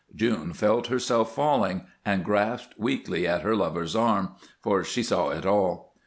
June felt herself falling, and grasped weakly at her lover's arm, for she saw it all.